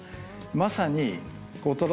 まさに。